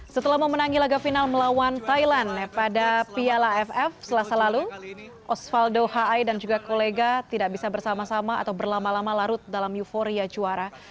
setelah memenangi laga final melawan thailand pada piala ff selasa lalu osvaldo hai dan juga kolega tidak bisa bersama sama atau berlama lama larut dalam euforia juara